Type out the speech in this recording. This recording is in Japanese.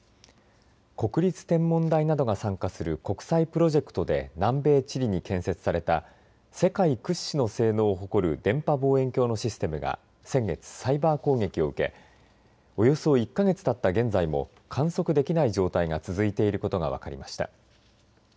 国立天文台などが参加する国際プロジェクトで南米・チリに建設された世界屈指の性能を誇る電波望遠鏡のシステムが先月サイバー攻撃を受けおよそ１か月たった現在も観測できない状態が続いていることが分かりました。